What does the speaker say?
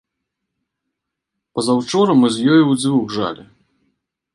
Пазаўчора мы з ёю ўдзвюх жалі.